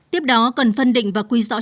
tiếp đó cần phân định và quy rõ chủ trương